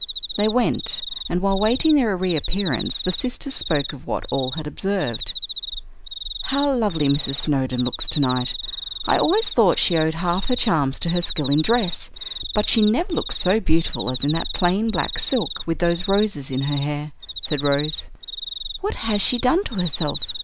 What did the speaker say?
They went, and while waiting their reappearance the sisters spoke of what all had observed. "How lovely Mrs. Snowdon looks tonight. I always thought she owed half her charms to her skill in dress, but she never looked so beautiful as in that plain black silk, with those roses in her hair," said Rose. "What has she done to herself?"